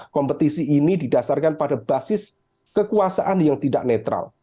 kompetisi ini didasarkan pada basis kekuasaan yang tidak netral